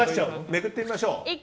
めくってみましょう。